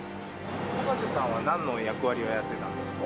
高瀬さんはなんの役割をやってたんですか？